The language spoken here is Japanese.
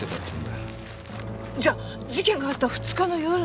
じゃ事件があった２日の夜には。